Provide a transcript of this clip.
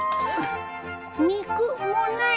肉もうない。